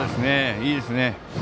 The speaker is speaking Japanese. いいですね。